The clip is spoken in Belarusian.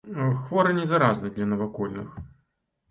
Хворы не заразны для навакольных.